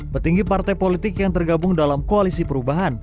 petinggi partai politik yang tergabung dalam koalisi perubahan